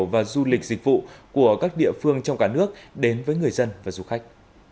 và du lịch dịch vụ của các địa phương trong cả nước đến với người dân và du khách